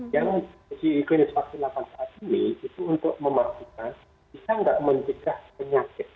yang klinis vaksin delapan saat ini itu untuk memastikan bisa tidak menjaga penyakit